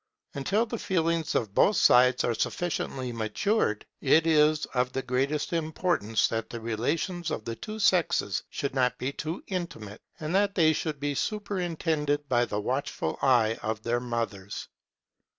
Until the feelings on both sides are sufficiently matured, it is of the greatest importance that the relations of the two sexes should not be too intimate, and that they should be superintended by the watchful eye of their mothers.